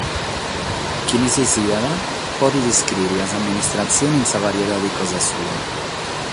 Chie si siat podet iscrìere a s’amministratzione in sa variedade cosa sua.